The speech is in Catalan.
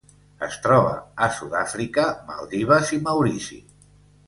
Es troba a Sud-àfrica, Maldives i Maurici.